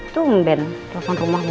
tunggu ben telepon rumahmu